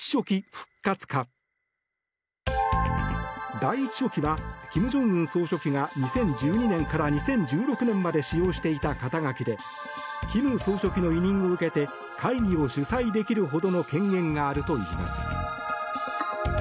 第１書記は金正恩総書記が２０１２年から２０１６年まで使用していた肩書で金総書記の委任を受けて会議を主催できるほどの権限があるといいます。